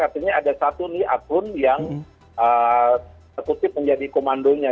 artinya ada satu nih akun yang terkutip menjadi komandonya